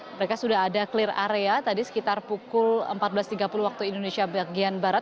mereka sudah ada clear area tadi sekitar pukul empat belas tiga puluh waktu indonesia bagian barat